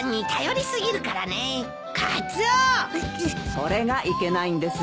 それがいけないんですよ。